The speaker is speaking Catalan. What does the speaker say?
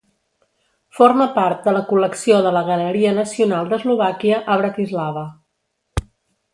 Forma part de la col·lecció de la Galeria Nacional d'Eslovàquia, a Bratislava.